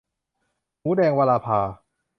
หมูแดง - วราภา